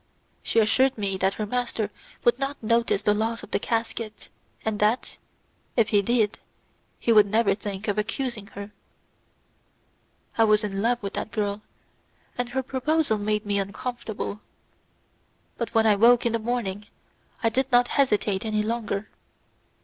She assured me that her master would not notice the loss of the casket, and that, if he did, he would never think of accusing her. I was in love with this girl; and her proposal made me uncomfortable, but when I woke in the morning I did not hesitate any longer.